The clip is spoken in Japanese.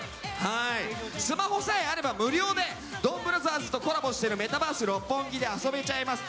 スマホさえあれば無料で「ドンブラザーズ」とコラボしているメタバース六本木で遊べちゃいます。